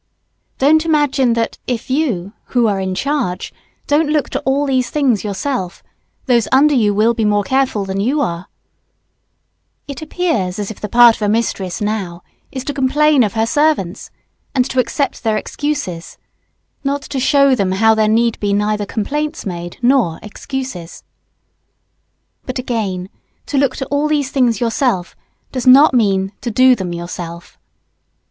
Don't imagine that if you, who are in charge, don't look to all these things yourself, those under you will be more careful than you are. It appears as if the part of a mistress now is to complain of her servants, and to accept their excuses not to show them how there need be neither complaints made nor excuses. [Sidenote: Head in charge must see to House Hygiene, not do it herself.] But again, to look to all these things yourself does not mean to do them yourself.